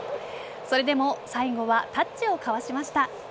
それでも最後はタッチを交わしました。